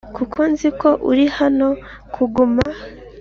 kuko nzi ko uri hano kuguma